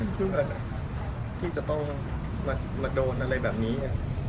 เพื่อนที่จะต้องมาโดนอะไรแบบนี้